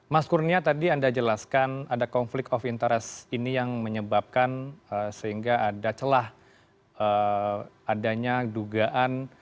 mas kurnia tadi anda jelaskan ada konflik of interest ini yang menyebabkan sehingga ada celah adanya dugaan